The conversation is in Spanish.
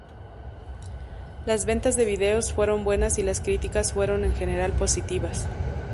Las ventas de videos fueron buenas y las críticas fueron en general positivas.